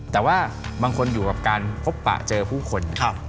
แต่ว่าบางคนอยู่กับการพบปะเจอผู้คน